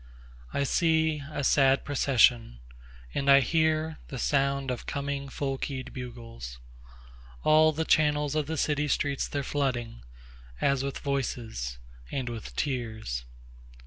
3I see a sad procession, And I hear the sound of coming full key'd bugles; All the channels of the city streets they're flooding, As with voices and with tears.